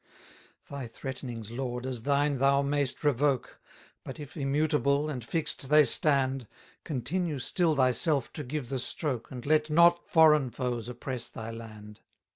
270 Thy threatenings, Lord, as thine thou mayst revoke: But if immutable and fix'd they stand, Continue still thyself to give the stroke, And let not foreign foes oppress thy land.